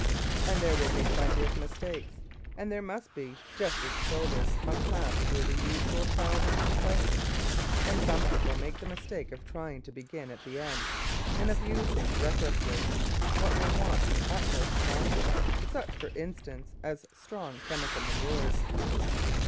And there will be plenty of mistakes, and there must be, just as children must pass through the usual childish complaints. And some people make the mistake of trying to begin at the end, and of using recklessly what may want the utmost caution, such, for instance, as strong chemical manures.